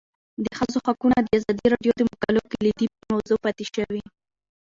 د ښځو حقونه د ازادي راډیو د مقالو کلیدي موضوع پاتې شوی.